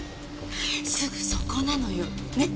すぐそこなのよ。ね！